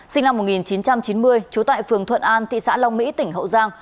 sinh năm một nghìn chín trăm chín mươi trú tại phường thuận an thị xã long mỹ tỉnh hậu giang